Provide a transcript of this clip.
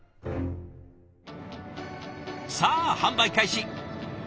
さあ販売開始！